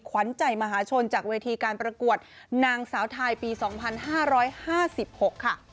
ขวัญใจมหาชนจากเวทีการประกวดนางสาวไทยปี๒๕๕๖ค่ะ